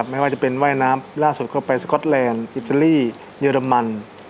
ไม่ว่าจะเป็นว่ายน้ำล่าสุดก็ไปสก๊อตแลนด์อิตาลีเยอรมัน